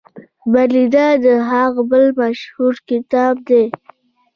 بریده د هغه بل مشهور کتاب دی.